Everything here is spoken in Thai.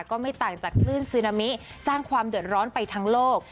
ก็ไม่ต่างจากคลื่นซึนามิสร้างความเดือดร้อนไปทั้งโลก